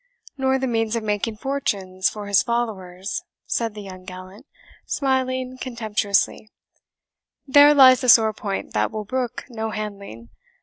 "Nor the means of making fortunes for his followers," said the young gallant, smiling contemptuously; "there lies the sore point that will brook no handling.